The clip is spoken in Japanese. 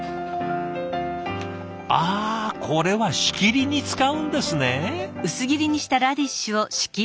あこれは仕切りに使うんですね！